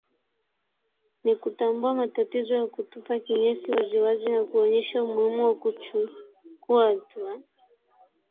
Ni kutambua matatizo ya kutupa kinyesi wazi wazi na kuonyesha umuhimu wa kuchulua hatua